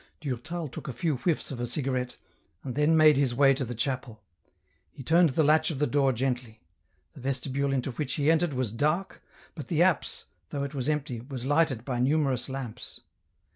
Durtal took a few whiffs of a cigarette, and then made his way to the chapel. He turned the latch of the door gently ; the vestibule into which he entered was dark, but the apse, though it was empty, was lighted by numerous lamps.